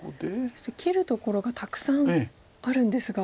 そして切るところがたくさんあるんですが。